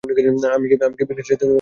আমি কি বিঘ্নেশের সাথে কথা বলছি?